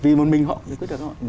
vì một mình họ giải quyết được họ